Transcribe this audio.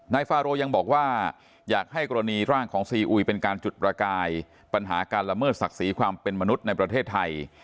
ฟาโรยังบอกว่าอยากให้กรณีร่างของซีอุยเป็นการจุดประกายปัญหาการละเมิดศักดิ์ศรีความเป็นมนุษย์ในประเทศไทย